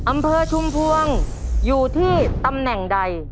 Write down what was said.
อำเภอชุมพวงอยู่ที่ตำแหน่งใด